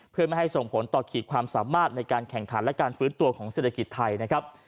เพื่อไม่ให้ส่งผลต่อขีดความสามารถในการแข่งขันและการฟื้นตัวของเศรษฐกิจไทยนะครับ